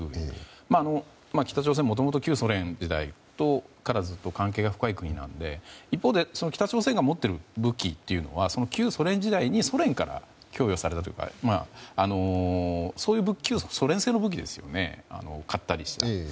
北朝鮮はもともと旧ソ連時代からずっと関係が深い国なので一方で北朝鮮が持っている武器というのは旧ソ連時代にソ連から供与されたというかそういう旧ソ連製の武器ですよね買ったりした。